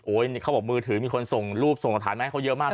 โอ๊ยเขาบอกมือถือมีคนส่งรูปส่งอัตภัณฑ์มาให้เขาเยอะมาก